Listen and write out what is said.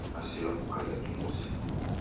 Nasilwa kukaiya kimusi